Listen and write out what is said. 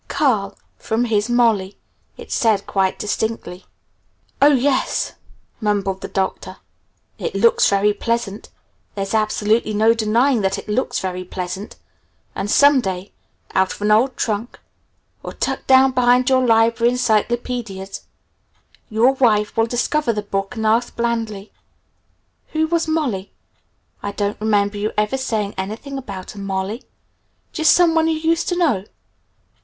"Carl from his Molly," it said quite distinctly. "Oh, yes," mumbled the Doctor. "It looks very pleasant. There's absolutely no denying that it looks very pleasant. And some day out of an old trunk, or tucked down behind your library encyclopedias your wife will discover the book and ask blandly, 'Who was Molly? I don't remember your ever saying anything about a "Molly". Just someone you used to know?'